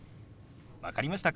分かりましたか？